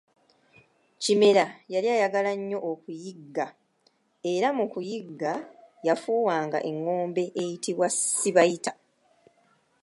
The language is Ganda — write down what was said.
Kimera yali ayagala nnyo okuyigga era mu kuyigga yafuuwanga engombe eyitibwa sibayita.